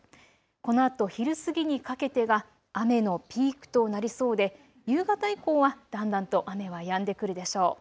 このあと昼過ぎにかけてが雨のピークとなりそうで夕方以降はだんだんと雨はやんでくるでしょう。